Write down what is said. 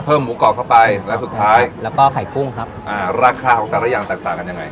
หมูกรอบเข้าไปแล้วสุดท้ายแล้วก็ไข่กุ้งครับอ่าราคาของแต่ละอย่างแตกต่างกันยังไง